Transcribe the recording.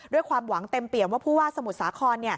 ด้วยความหวังเต็มเปี่ยมว่าผู้ว่าสมุทรสาคร